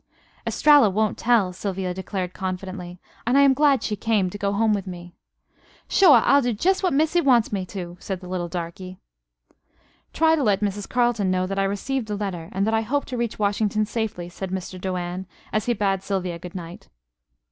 "Estralla won't tell," Sylvia declared confidently; "and I am glad she came to go home with me." "Shuah I'll do jes' what Missy wants me to," said the little darky. "Try to let Mrs. Carleton know that I received the letter, and that I hope to reach Washington safely," said Mr. Doane, as he bade Sylvia good night.